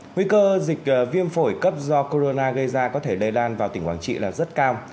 nguy cơ dịch viêm phổi cấp do corona gây ra có thể lây lan vào tỉnh quảng trị là rất cao